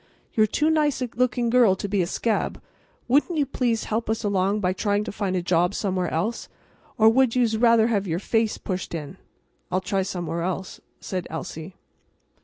You're too nice a looking girl to be a scab. Wouldn't you please help us along by trying to find a job somewhere else, or would you'se rather have your face pushed in?" "I'll try somewhere else," said Elsie.